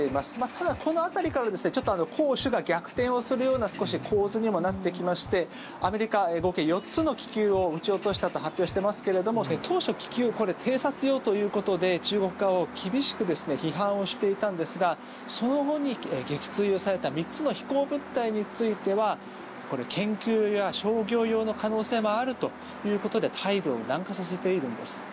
ただ、この辺りからちょっと攻守が逆転をするような構図にもなってきましてアメリカは合計４つの気球を撃ち落としたと発表してますけれども当初、気球、偵察用ということで中国側を厳しく批判をしていたんですがその後に撃墜をされた３つの飛行物体についてはこれ、研究や商業用の可能性もあるということで態度を軟化させているんです。